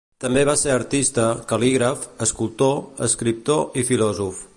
També va ser artista, cal·lígraf, escultor, escriptor i filòsof.